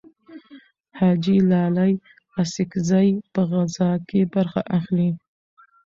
حاجي لالي اڅکزی په غزاکې برخه اخلي.